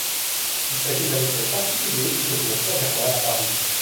Il s'agit d'un hôtel particulier du faubourg Saint-Germain à Paris.